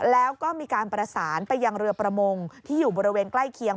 แล้วก็มีการประสานไปยังเรือประมงที่อยู่บริเวณใกล้เคียง